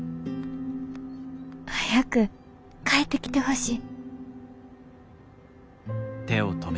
早く帰ってきてほしい」。